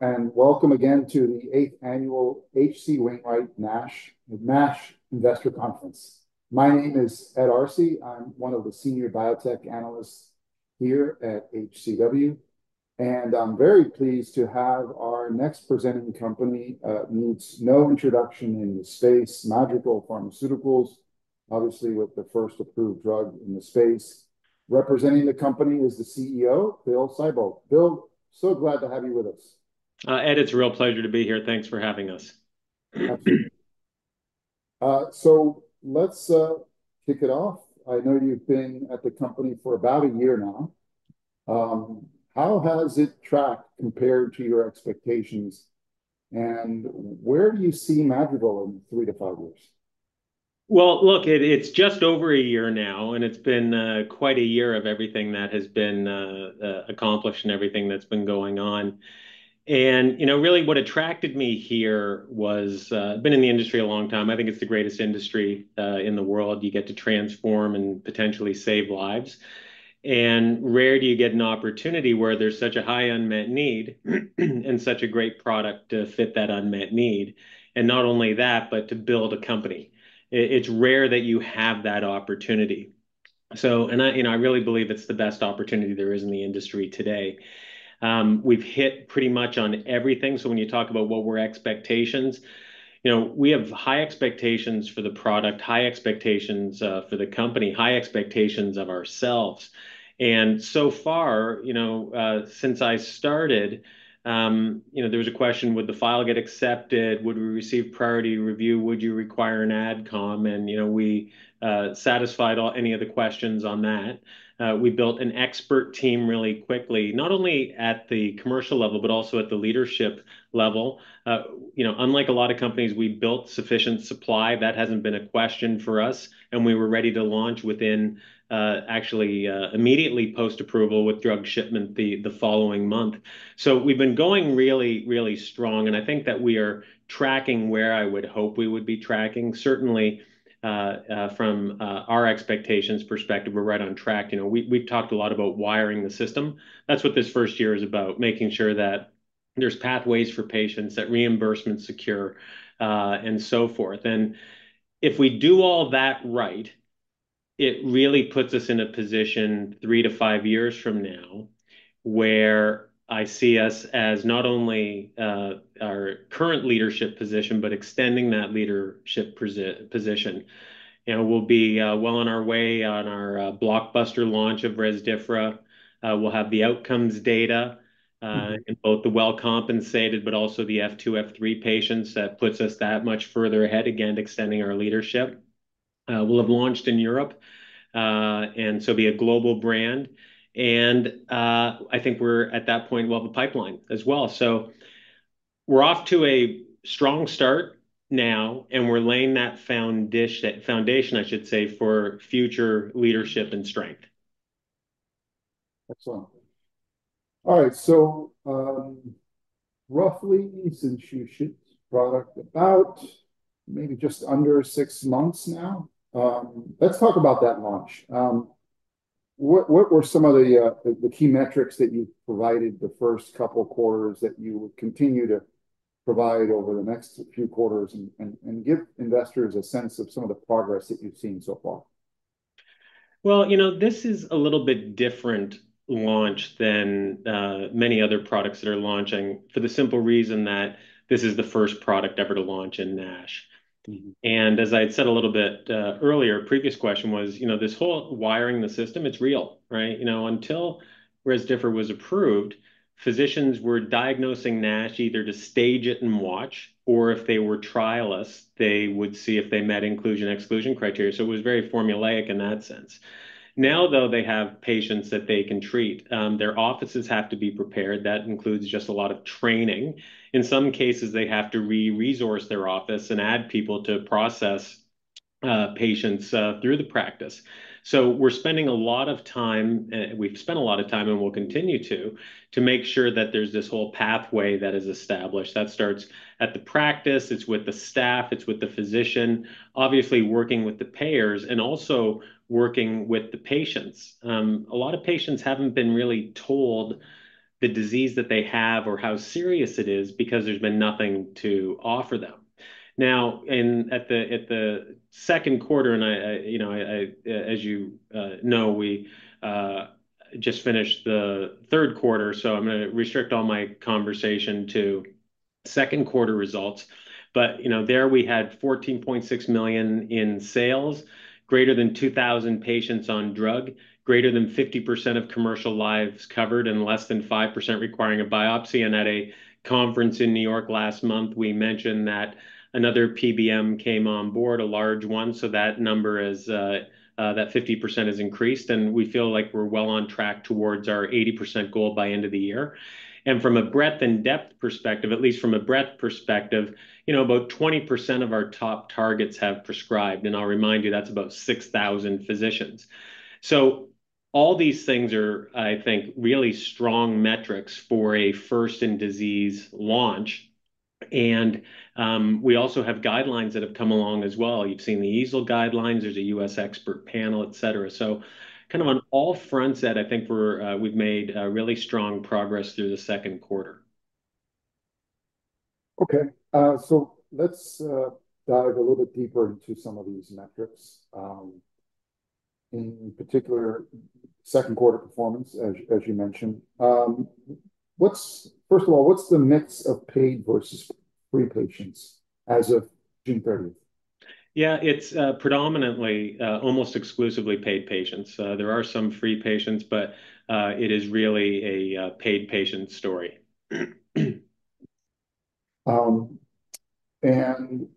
Hello, and welcome again to the eighth annual H.C. Wainwright NASH, the NASH Investor Conference. My name is Ed Arce. I'm one of the senior biotech analysts here at HCW, and I'm very pleased to have our next presenting company. Needs no introduction in the space, Madrigal Pharmaceuticals, obviously with the first approved drug in the space. Representing the company is the CEO, Bill Sibold. Bill, so glad to have you with us. Ed, it's a real pleasure to be here. Thanks for having us. So let's kick it off. I know you've been at the company for about a year now. How has it tracked compared to your expectations, and where do you see Madrigal in three to five years? Well, look, it's just over a year now, and it's been quite a year of everything that has been accomplished and everything that's been going on, and you know, really what attracted me here was been in the industry a long time. I think it's the greatest industry in the world. You get to transform and potentially save lives, and rare do you get an opportunity where there's such a high unmet need and such a great product to fit that unmet need, and not only that, but to build a company. It's rare that you have that opportunity, so you know, I really believe it's the best opportunity there is in the industry today. We've hit pretty much on everything, so when you talk about what were expectations, you know, we have high expectations for the product, high expectations for the company, high expectations of ourselves. So far, you know, since I started, you know, there was a question, would the file get accepted? Would we receive priority review? Would you require an AdCom? And, you know, we satisfied all any of the questions on that. We built an expert team really quickly, not only at the commercial level, but also at the leadership level. You know, unlike a lot of companies, we built sufficient supply. That hasn't been a question for us, and we were ready to launch within, actually, immediately post-approval with drug shipment the following month. So we've been going really, really strong, and I think that we are tracking where I would hope we would be tracking. Certainly, from our expectations perspective, we're right on track. You know, we, we've talked a lot about wiring the system. That's what this first year is about, making sure that there's pathways for patients, that reimbursement's secure, and so forth. And if we do all that right, it really puts us in a position three to five years from now where I see us as not only our current leadership position, but extending that leadership position. You know, we'll be well on our way on our blockbuster launch of Rezdiffra. We'll have the outcomes data in both the well-compensated, but also the F2, F3 patients. That puts us that much further ahead, again, extending our leadership. We'll have launched in Europe, and so be a global brand, and I think we're, at that point, we'll have a pipeline as well. So we're off to a strong start now, and we're laying that foundation, I should say, for future leadership and strength. Excellent. All right, so, roughly, since you shipped the product, about maybe just under six months now. Let's talk about that launch. What were some of the key metrics that you provided the first couple quarters that you would continue to provide over the next few quarters, and give investors a sense of some of the progress that you've seen so far? Well, you know, this is a little bit different launch than many other products that are launching, for the simple reason that this is the first product ever to launch in NASH. Mm-hmm. As I had said a little bit earlier, previous question was, you know, this whole wiring the system, it's real, right? You know, until Rezdiffra was approved, physicians were diagnosing NASH either to stage it and watch, or if they were trialists, they would see if they met inclusion/exclusion criteria. So it was very formulaic in that sense. Now, though, they have patients that they can treat. Their offices have to be prepared. That includes just a lot of training. In some cases, they have to re-resource their office and add people to process patients through the practice. So we're spending a lot of time, we've spent a lot of time, and we'll continue to make sure that there's this whole pathway that is established, that starts at the practice, it's with the staff, it's with the physician, obviously, working with the payers, and also working with the patients. A lot of patients haven't been really told the disease that they have or how serious it is because there's been nothing to offer them. Now, at the second quarter, and you know, as you know, we just finished the third quarter, so I'm gonna restrict all my conversation to second quarter results. But you know, there we had $14.6 million in sales, greater than 2,000 patients on drug, greater than 50% of commercial lives covered, and less than 5% requiring a biopsy. And at a conference in New York last month, we mentioned that another PBM came on board, a large one, so that number is that 50% has increased, and we feel like we're well on track towards our 80% goal by end of the year. And from a breadth and depth perspective, at least from a breadth perspective, you know, about 20% of our top targets have prescribed, and I'll remind you, that's about 6,000 physicians. So all these things are, I think, really strong metrics for a first-in-disease launch, and we also have guidelines that have come along as well. You've seen the EASL guidelines, there's a U.S. expert panel, et cetera. So kind of on all fronts that I think we've made really strong progress through the second quarter. Okay, so let's dive a little bit deeper into some of these metrics. In particular, second quarter performance, as you mentioned. What's first of all, what's the mix of paid versus free patients as of June thirtieth? Yeah, it's predominantly, almost exclusively, paid patients. There are some free patients, but it is really a paid patient story. And,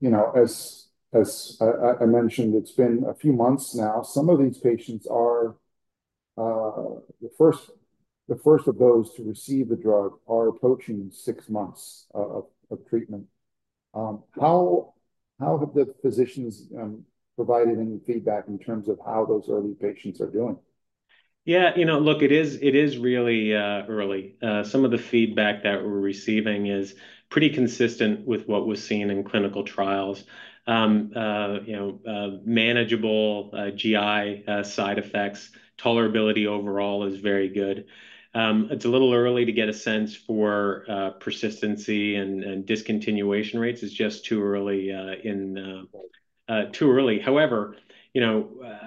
you know, as I mentioned, it's been a few months now. Some of these patients are the first of those to receive the drug are approaching six months of treatment. How have the physicians provided any feedback in terms of how those early patients are doing? Yeah, you know, look, it is really early. Some of the feedback that we're receiving is pretty consistent with what was seen in clinical trials. You know, manageable GI side effects, tolerability overall is very good. It's a little early to get a sense for persistency and discontinuation rates. It's just too early. It's too early. However, you know,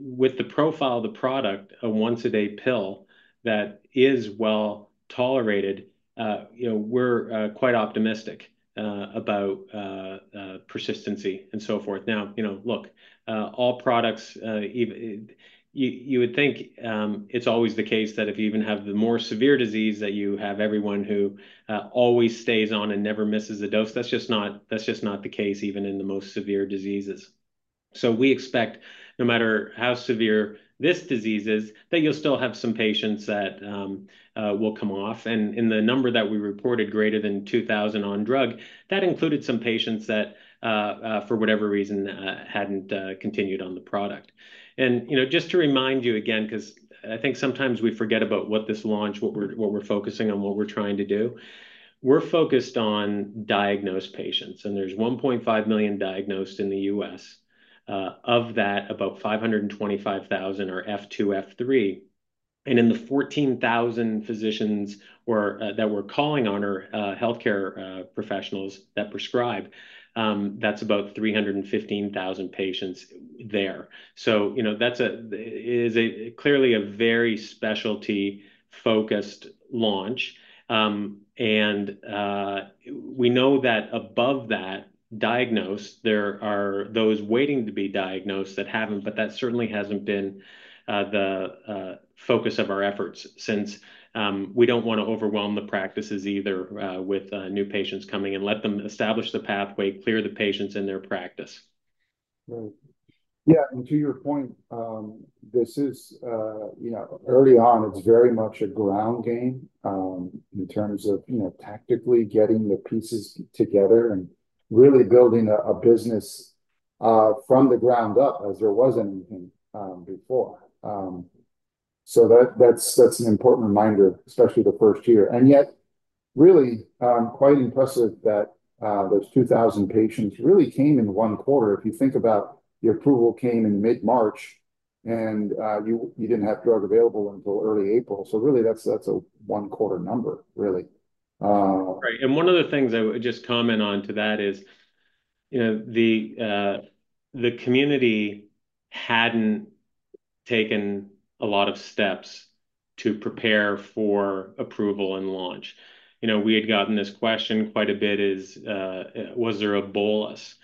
with the profile of the product, a once-a-day pill that is well-tolerated, you know, we're quite optimistic about persistency and so forth. Now, you know, look, all products, you would think it's always the case that if you even have the more severe disease, that you have everyone who always stays on and never misses a dose. That's just not the case, even in the most severe diseases. So we expect, no matter how severe this disease is, that you'll still have some patients that will come off. And the number that we reported, greater than 2,000 on drug, that included some patients that for whatever reason hadn't continued on the product. And, you know, just to remind you again, 'cause I think sometimes we forget about what this launch, what we're focusing on, what we're trying to do. We're focused on diagnosed patients, and there's 1.5 million diagnosed in the U.S. Of that, about 525,000 are F2, F3. And in the 14,000 physicians we're calling on are healthcare professionals that prescribe. That's about 315,000 patients there. So, you know, it is clearly a very specialty-focused launch. And we know that above that diagnosed, there are those waiting to be diagnosed that haven't, but that certainly hasn't been the focus of our efforts since we don't wanna overwhelm the practices either with new patients coming in. Let them establish the pathway, clear the patients in their practice. Right. Yeah, and to your point, this is, you know, early on. It's very much a ground game, in terms of, you know, tactically getting the pieces together and really building a business from the ground up, as there wasn't anything before. So that's an important reminder, especially the first year. And yet, really, quite impressive that those 2,000 patients really came in one quarter. If you think about the approval came in mid-March, and you didn't have drug available until early April. So really, that's a one-quarter number, really. Right. And one of the things I would just comment on to that is, you know, the community hadn't taken a lot of steps to prepare for approval and launch. You know, we had gotten this question quite a bit, was there a bolus?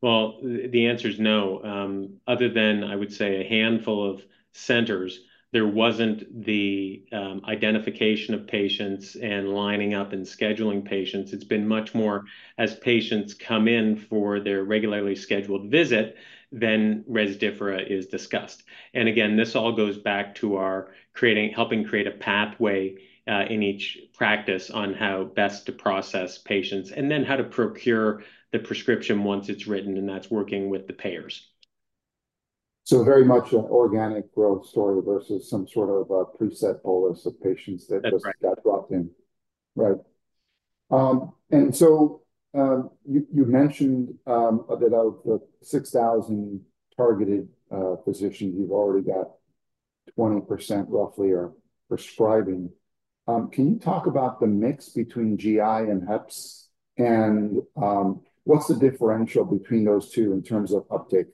Well, the answer is no. Other than, I would say, a handful of centers, there wasn't the identification of patients and lining up and scheduling patients. It's been much more as patients come in for their regularly scheduled visit, then Rezdiffra is discussed. And again, this all goes back to our creating, helping create a pathway in each practice on how best to process patients, and then how to procure the prescription once it's written, and that's working with the payers. So very much an organic growth story versus some sort of a preset bolus of patients that- That's right Just got dropped in. Right. And so, you mentioned that out of the 6,000 targeted physicians, you've already got 20% roughly are prescribing. Can you talk about the mix between GI and heps? And, what's the differential between those two in terms of uptake?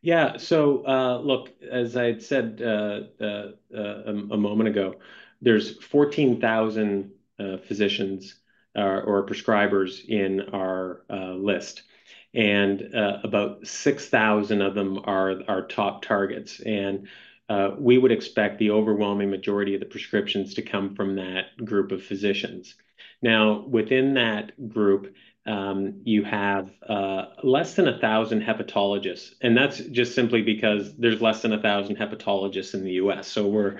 Yeah. So, look, as I had said, a moment ago, there's 14,000 physicians or prescribers in our list, and about 6,000 of them are our top targets. We would expect the overwhelming majority of the prescriptions to come from that group of physicians. Now, within that group, you have less than 1,000 hepatologists, and that's just simply because there's less than 1,000 hepatologists in the U.S. So we're,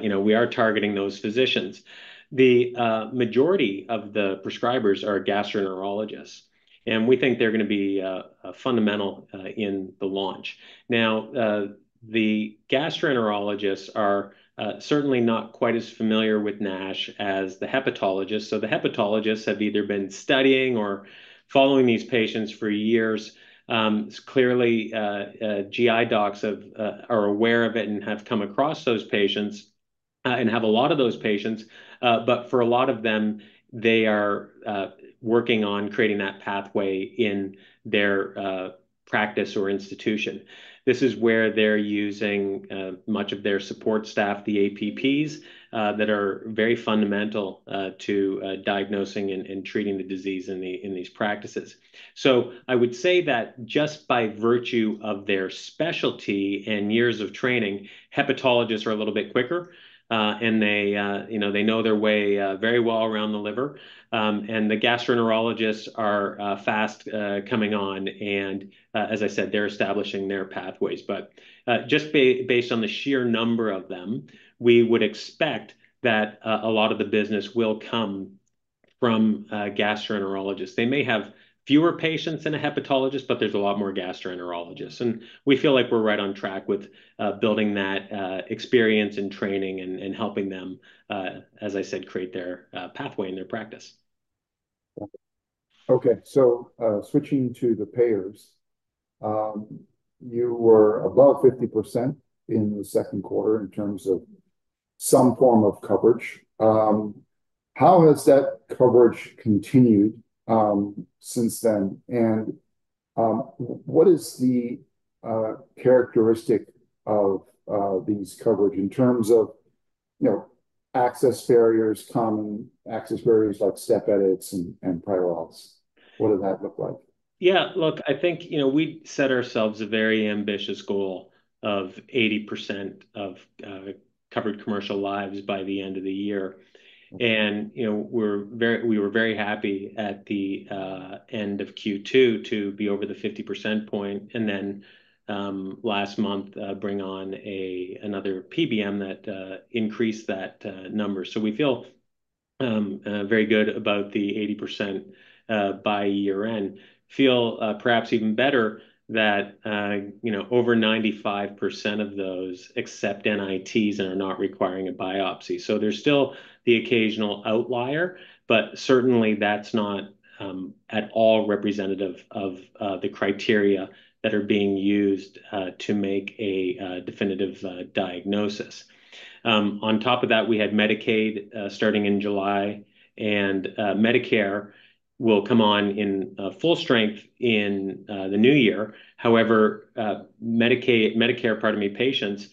you know, we are targeting those physicians. The majority of the prescribers are gastroenterologists and we think they're gonna be fundamental in the launch. Now, the gastroenterologists are certainly not quite as familiar with NASH as the hepatologists. So the hepatologists have either been studying or following these patients for years. Clearly, GI docs are aware of it and have come across those patients and have a lot of those patients. But for a lot of them, they are working on creating that pathway in their practice or institution. This is where they're using much of their support staff, the APPs, that are very fundamental to diagnosing and treating the disease in these practices. So I would say that just by virtue of their specialty and years of training, hepatologists are a little bit quicker. And they you know they know their way very well around the liver. And the gastroenterologists are fast coming on, and as I said, they're establishing their pathways. But just based on the sheer number of them, we would expect that a lot of the business will come from gastroenterologists. They may have fewer patients than a hepatologist, but there's a lot more gastroenterologists, and we feel like we're right on track with building that experience and training, and helping them, as I said, create their pathway in their practice. Okay. So, switching to the payers, you were above 50% in the second quarter in terms of some form of coverage. How has that coverage continued since then? And, what is the characteristic of these coverage in terms of, you know, access barriers, common access barriers, like step edits and prior auths? What does that look like? Yeah, look, I think, you know, we set ourselves a very ambitious goal of 80% of covered commercial lives by the end of the year. And, you know, we're very- we were very happy at the end of Q2 to be over the 50% point, and then last month bring on another PBM that increased that number. So we feel very good about the 80% by year-end. Feel perhaps even better that, you know, over 95% of those accept NITs and are not requiring a biopsy. So there's still the occasional outlier, but certainly, that's not at all representative of the criteria that are being used to make a definitive diagnosis. On top of that, we had Medicaid starting in July, and Medicare will come on in full strength in the new year. However, Medicaid - Medicare, pardon me, patients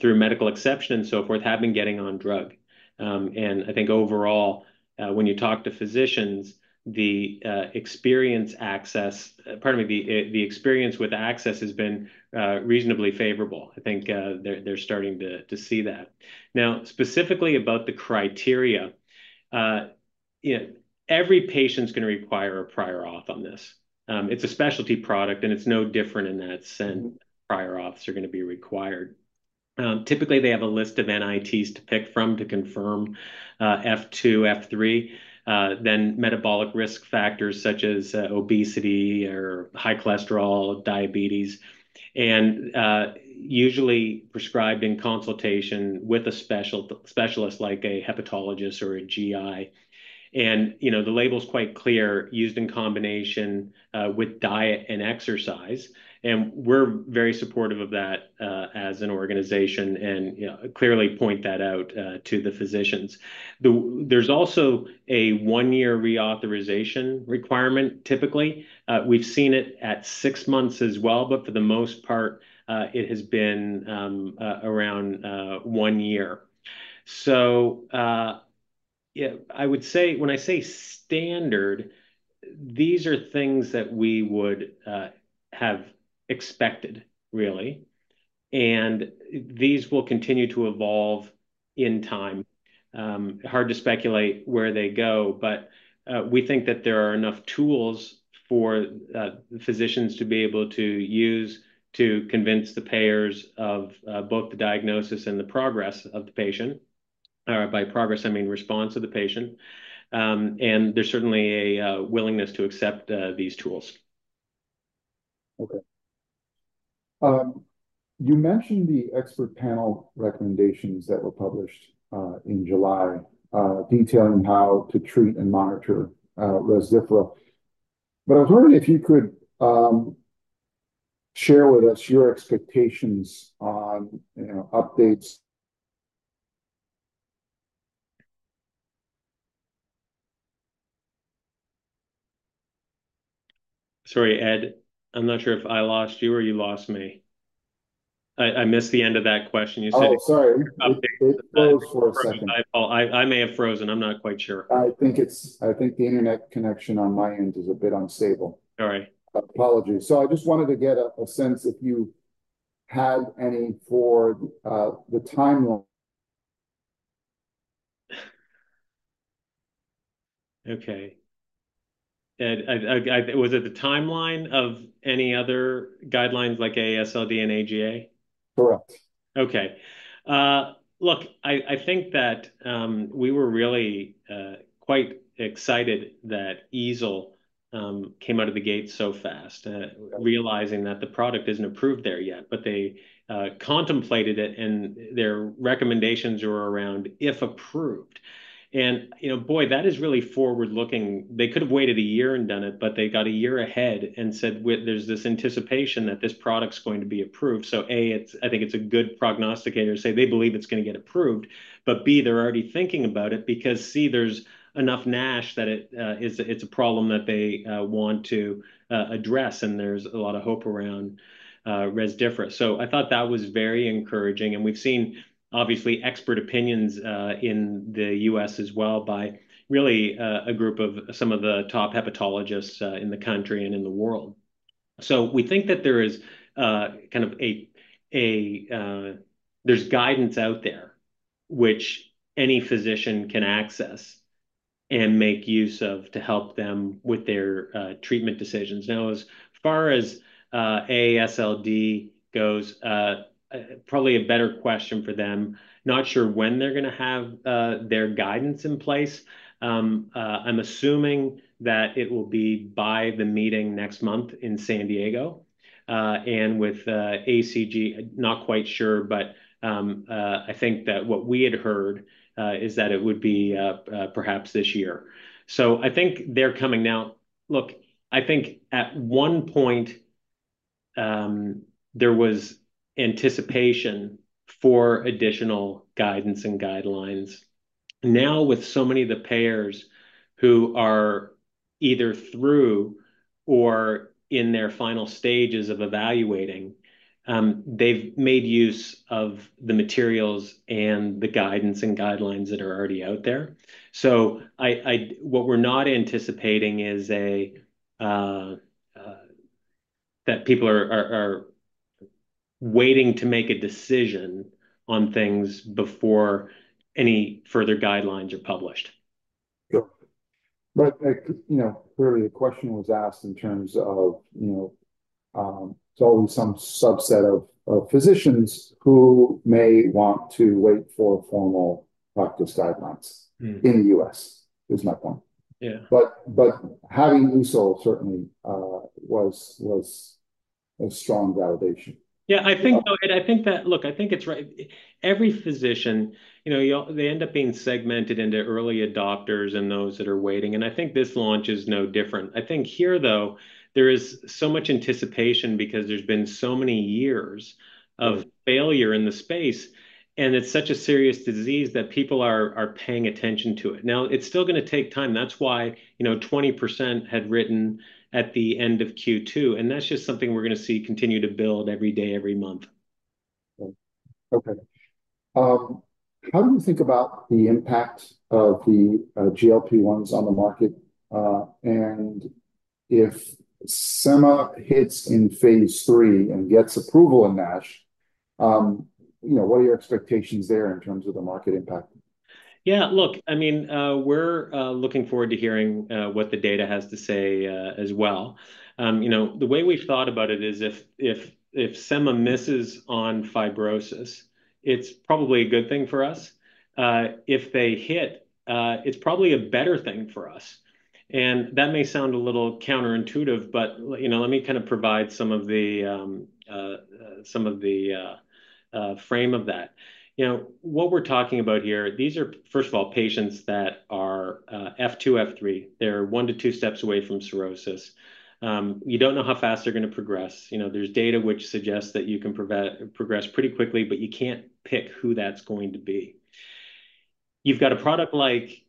through medical exception and so forth, have been getting on drug. I think overall, when you talk to physicians, the experience with access has been reasonably favorable. I think they're starting to see that. Now, specifically about the criteria, you know, every patient's gonna require a prior auth on this. It's a specialty product, and it's no different in that sense, prior auths are gonna be required. Typically, they have a list of NITs to pick from to confirm F2, F3, then metabolic risk factors such as obesity or high cholesterol, diabetes, and usually prescribed in consultation with a specialist, like a hepatologist or a GI. And you know, the label's quite clear, used in combination with diet and exercise, and we're very supportive of that as an organization, and you know, clearly point that out to the physicians. There's also a one-year reauthorization requirement, typically. We've seen it at six months as well, but for the most part it has been around one year. Yeah, I would say when I say standard, these are things that we would have expected, really, and these will continue to evolve in time. Hard to speculate where they go, but we think that there are enough tools for physicians to be able to use to convince the payers of both the diagnosis and the progress of the patient. By progress, I mean response of the patient. And there's certainly a willingness to accept these tools. Okay. You mentioned the expert panel recommendations that were published in July detailing how to treat and monitor Rezdiffra. But I was wondering if you could share with us your expectations on, you know, updates? Sorry, Ed, I'm not sure if I lost you or you lost me. I, I missed the end of that question. You said- Oh, sorry. updates- It froze for a second. I may have frozen. I'm not quite sure. I think the internet connection on my end is a bit unstable. All right. Apologies, so I just wanted to get a sense if you had any for the timeline. Okay. Ed, was it the timeline of any other guidelines, like AASLD and AGA? Correct. Okay. Look, I think that we were really quite excited that EASL came out of the gate so fast, realizing that the product isn't approved there yet. But they contemplated it, and their recommendations were around, if approved, and, you know, boy, that is really forward-looking. They could have waited a year and done it, but they got a year ahead and said, "There's this anticipation that this product's going to be approved." So, A, it's I think it's a good prognosticator to say they believe it's gonna get approved. But, B, they're already thinking about it, because, C, there's enough NASH that it it's a problem that they want to address, and there's a lot of hope around Rezdiffra. So I thought that was very encouraging, and we've seen, obviously, expert opinions, in the U.S. as well by really, a group of some of the top hepatologists, in the country and in the world. So we think that there is, kind of a- There's guidance out there which any physician can access and make use of to help them with their treatment decisions. Now, as far as AASLD goes, probably a better question for them. Not sure when they're gonna have their guidance in place. I'm assuming that it will be by the meeting next month in San Diego, and with ACG, not quite sure, but I think that what we had heard is that it would be perhaps this year. So I think they're coming now. Look, I think at one point, there was anticipation for additional guidance and guidelines. Now, with so many of the payers who are either through or in their final stages of evaluating, they've made use of the materials and the guidance and guidelines that are already out there. So what we're not anticipating is that people are waiting to make a decision on things before any further guidelines are published. Sure. But, like, you know, clearly, the question was asked in terms of, you know, so some subset of physicians who may want to wait for formal practice guidelines- Mm. In the U.S. is my point. Yeah. But having EASL certainly was a strong validation. Yeah, I think, though, and I think that- Look, I think it's right. Every physician, you know, they end up being segmented into early adopters and those that are waiting, and I think this launch is no different. I think here, though, there is so much anticipation because there's been so many years of failure in the space, and it's such a serious disease that people are paying attention to it. Now, it's still gonna take time. That's why, you know, 20% had written at the end of Q2, and that's just something we're gonna see continue to build every day, every month. Okay. How do you think about the impact of the GLP-1s on the market, and if Sema hits in phase III and gets approval in NASH, you know, what are your expectations there in terms of the market impact? Yeah, look, I mean, we're looking forward to hearing what the data has to say as well. You know, the way we've thought about it is if Sema misses on fibrosis, it's probably a good thing for us. If they hit, it's probably a better thing for us, and that may sound a little counterintuitive, but you know, let me kind of provide some of the frame of that. You know, what we're talking about here, these are, first of all, patients that are F2, F3. They're one to two steps away from cirrhosis. You don't know how fast they're gonna progress. You know, there's data which suggests that you can progress pretty quickly, but you can't pick who that's going to be. You've got a product like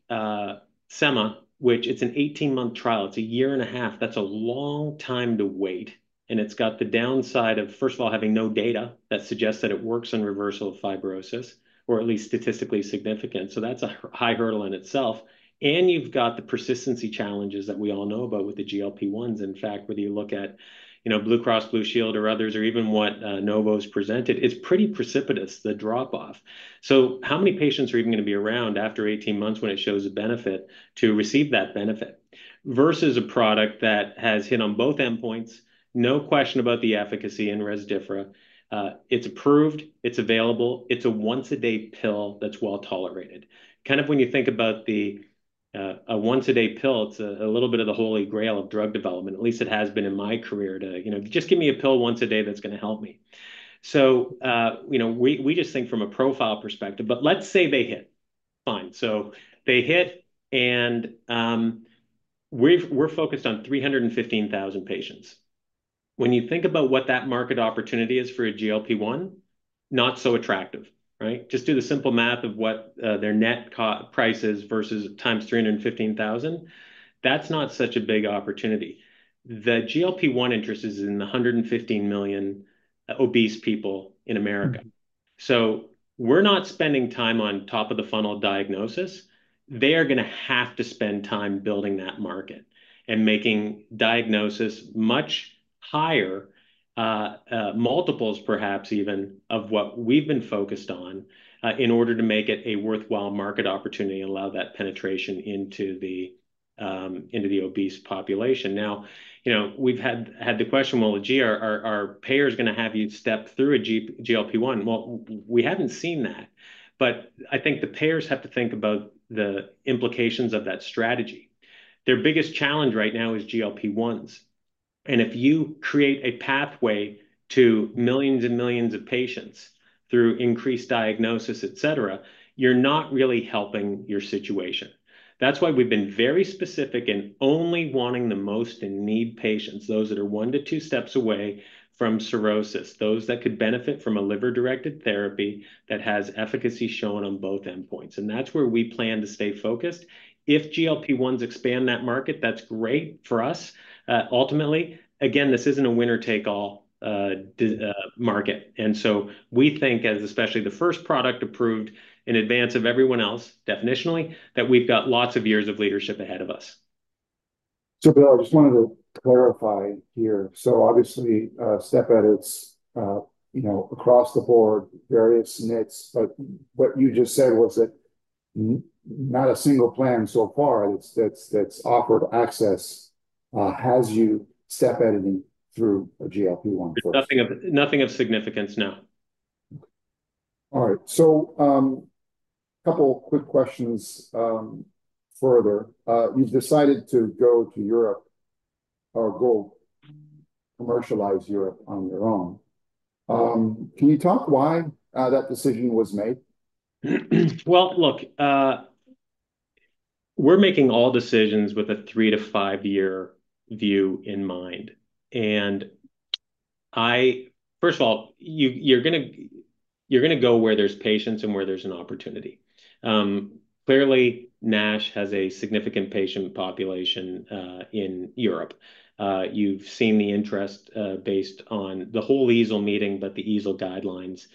Sema, which it's an eighteen-month trial. It's a year and a half. That's a long time to wait, and it's got the downside of, first of all, having no data that suggests that it works in reversal of fibrosis, or at least statistically significant. So that's a high hurdle in itself, and you've got the persistency challenges that we all know about with the GLP-1s. In fact, whether you look at, you know, Blue Cross Blue Shield, or others, or even what Novo's presented, it's pretty precipitous, the drop-off. So how many patients are even gonna be around after eighteen months when it shows a benefit to receive that benefit? Versus a product that has hit on both endpoints, no question about the efficacy in Rezdiffra. It's approved, it's available, it's a once-a-day pill that's well-tolerated. Kind of when you think about the a once-a-day pill, it's a little bit of the holy grail of drug development, at least it has been in my career, to you know, "Just give me a pill once a day that's gonna help me." So you know, we just think from a profile perspective. But let's say they hit. Fine. So they hit, and we're focused on 315,000 patients. When you think about what that market opportunity is for a GLP-1, not so attractive, right? Just do the simple math of what their net copay price is versus times 315,000. That's not such a big opportunity. The GLP-1 interest is in the 115 million obese people in America. Mm. So we're not spending time on top-of-the-funnel diagnosis. They are gonna have to spend time building that market and making diagnosis much higher multiples, perhaps even of what we've been focused on in order to make it a worthwhile market opportunity and allow that penetration into the obese population. Now, you know, we've had the question, well, gee, are payers gonna have you step through a GLP-1? Well, we haven't seen that, but I think the payers have to think about the implications of that strategy. Their biggest challenge right now is GLP-1s, and if you create a pathway to millions and millions of patients through increased diagnosis, et cetera, you're not really helping your situation. That's why we've been very specific in only wanting the most in-need patients, those that are one to two steps away from cirrhosis, those that could benefit from a liver-directed therapy that has efficacy shown on both endpoints, and that's where we plan to stay focused. If GLP-1s expand that market, that's great for us. Ultimately, again, this isn't a winner-take-all market, and so we think, as especially the first product approved in advance of everyone else, definitionally, that we've got lots of years of leadership ahead of us. So, Bill, I just wanted to clarify here. Obviously, step edits, you know, across the board, various NITs, but what you just said was that not a single plan so far that's offered access has a step edit through a GLP-1 first? Nothing of significance, no. All right. So, couple quick questions further. You've decided to go to Europe, or go commercialize Europe on your own. Can you talk why that decision was made? Well, look, we're making all decisions with a three to five-year view in mind, and first of all, you're gonna go where there's patients and where there's an opportunity. Clearly, NASH has a significant patient population in Europe. You've seen the interest based on the whole EASL meeting, but the EASL guidelines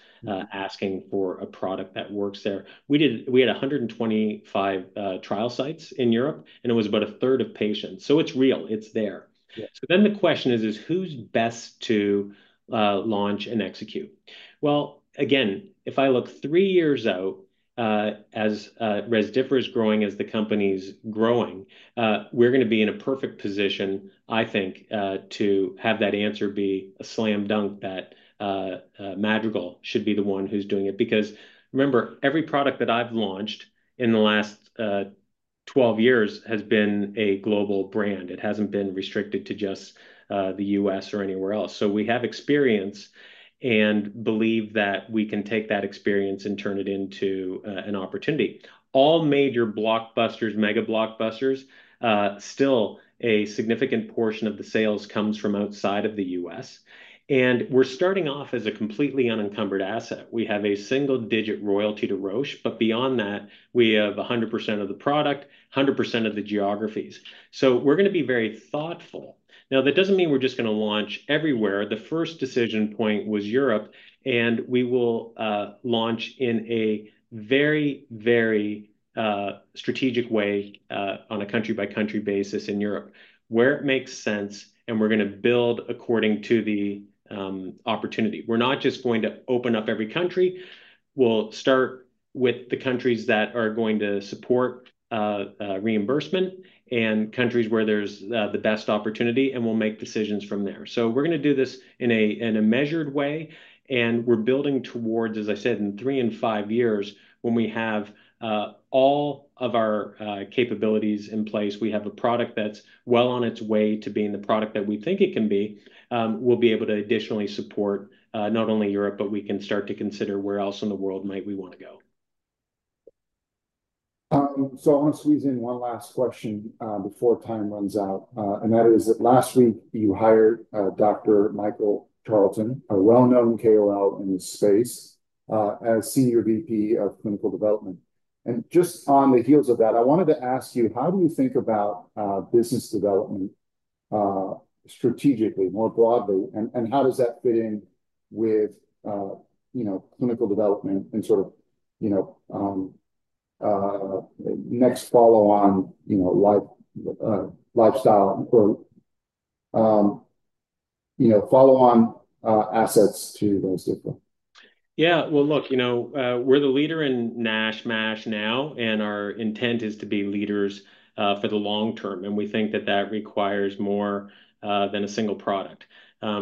asking for a product that works there. We had a hundred and twenty-five trial sites in Europe, and it was about a third of patients, so it's real. It's there. Yeah. So then the question is, who's best to launch and execute? Well, again, if I look three years out, as Rezdiffra is growing, as the company's growing, we're gonna be in a perfect position, I think, to have that answer be a slam dunk that Madrigal should be the one who's doing it. Because remember, every product that I've launched in the last 12 years has been a global brand. It hasn't been restricted to just the U.S. or anywhere else. So we have experience and believe that we can take that experience and turn it into an opportunity. All major blockbusters, mega blockbusters, still, a significant portion of the sales comes from outside of the U.S., and we're starting off as a completely unencumbered asset. We have a single-digit royalty to Roche, but beyond that, we have 100% of the product, 100% of the geographies. So we're gonna be very thoughtful. Now, that doesn't mean we're just gonna launch everywhere. The first decision point was Europe, and we will launch in a very, very strategic way on a country-by-country basis in Europe, where it makes sense, and we're gonna build according to the opportunity. We're not just going to open up every country. We'll start with the countries that are going to support reimbursement, and countries where there's the best opportunity, and we'll make decisions from there. So we're gonna do this in a measured way, and we're building towards, as I said, in three and five years, when we have all of our capabilities in place. We have a product that's well on its way to being the product that we think it can be. We'll be able to additionally support, not only Europe, but we can start to consider where else in the world might we wanna go. I want to squeeze in one last question before time runs out. That is, last week you hired Dr. Michael Charlton, a well-known KOL in this space, as Senior VP of Clinical Development. Just on the heels of that, I wanted to ask you, how do you think about business development strategically, more broadly, and how does that fit in with you know clinical development and sort of you know next follow-on you know lifestyle or you know follow-on assets to those different? Yeah. Well, look, you know, we're the leader in NASH/MASH now, and our intent is to be leaders for the long term, and we think that that requires more than a single product.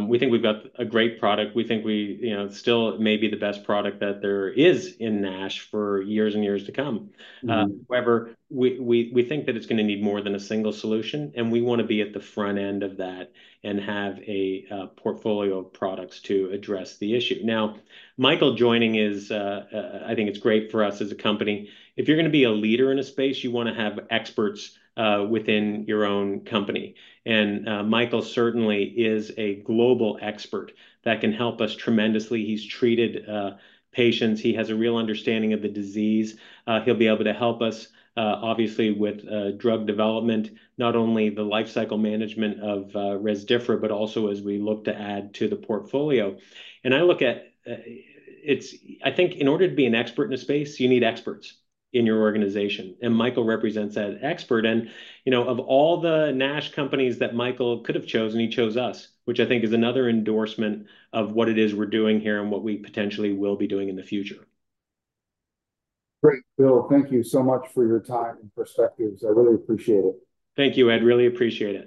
We think we've got a great product. We think, you know, still may be the best product that there is in NASH for years and years to come. Mm-hmm. However, we think that it's gonna need more than a single solution, and we wanna be at the front end of that and have a portfolio of products to address the issue. Now, Michael joining is, I think it's great for us as a company. If you're gonna be a leader in a space, you wanna have experts within your own company, and Michael certainly is a global expert that can help us tremendously. He's treated patients. He has a real understanding of the disease. He'll be able to help us obviously with drug development, not only the lifecycle management of Rezdiffra, but also as we look to add to the portfolio. I think in order to be an expert in a space, you need experts in your organization, and Michael represents that expert. You know, of all the NASH companies that Michael could have chosen, he chose us, which I think is another endorsement of what it is we're doing here and what we potentially will be doing in the future. Great! Bill, thank you so much for your time and perspectives. I really appreciate it. Thank you, Ed. Really appreciate it.